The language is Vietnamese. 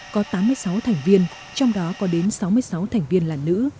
có tám mươi sáu thành viên trong đó có đến sáu mươi sáu thành viên là nữ